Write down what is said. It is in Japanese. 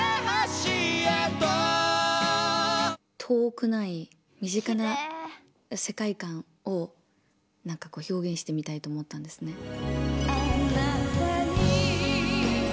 遠くない身近な世界観を表現してみたいと思ったんですね。